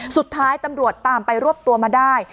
สุดท้ายตำรวจตามไปรวบตัวมาได้